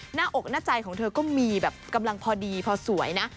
หน้าอกหน้าใจของเธอก็มีแบบกำลังพอดีพอสวยนะ